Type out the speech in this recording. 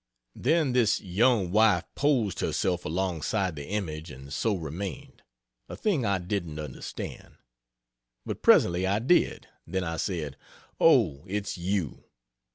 Then this young wife posed herself alongside the image and so remained a thing I didn't understand. But presently I did then I said: "O, it's you!"